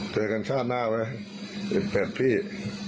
เจอกันชาติหน้าไว้ที่แหมดภีร์